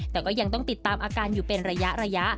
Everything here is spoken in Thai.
แต่ก็ยังต้องติดตามอาการอยู่เป็นระยะ